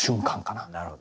なるほど。